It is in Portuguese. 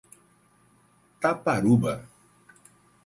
Taparuba